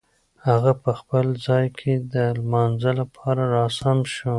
هغه په خپل ځای کې د لمانځه لپاره را سم شو.